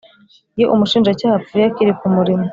Iyo umushinjacyaha apfuye akiri ku murimo